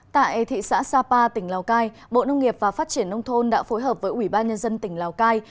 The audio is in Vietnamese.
tại thị xã sapa tỉnh lào cai bộ nông nghiệp và phát triển nông thôn đã phối hợp với ubnd tỉnh lào cai